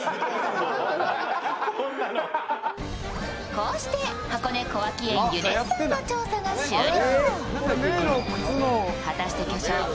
こうして箱根小涌園ユネッサンの調査が終了。